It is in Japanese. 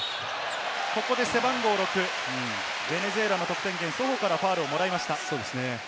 ここで背番号６、ベネズエラの得点源、ソホからファウルをもらいました。